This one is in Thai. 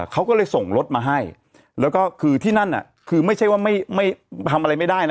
เขาก็เลยส่งรถมาให้แล้วก็คือที่นั่นน่ะคือไม่ใช่ว่าไม่ทำอะไรไม่ได้นะ